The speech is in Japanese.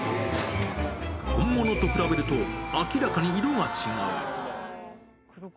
本物と比べると、明らかに色が違う。